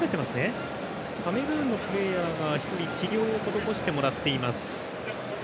カメルーンのプレーヤーが１人治療を施してもらっています。